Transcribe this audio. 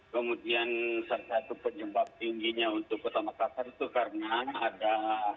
kemudian salah satu penyebab tingginya untuk kota makassar itu karena ada